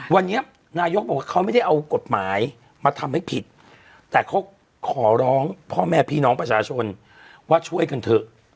วันนี้นายกบอกว่าเขาไม่ได้เอากฎหมายมาทำให้ผิดแต่เขาขอร้องพ่อแม่พี่น้องประชาชนว่าช่วยกันเถอะ